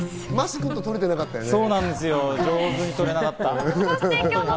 桝君と取れてなかったよね。